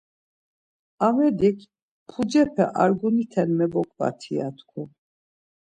Amedik “Pucepe arguniten meboǩvati” ya tku.